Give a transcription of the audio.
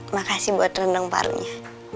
makasih buat rendang parunya